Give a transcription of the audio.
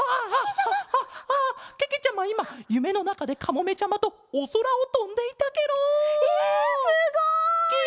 いまゆめのなかでカモメちゃまとおそらをとんでいたケロ！えすごい！ケ！